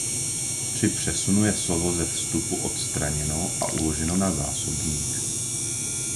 Při přesunu je slovo ze vstupu odstraněno a uloženo na zásobník.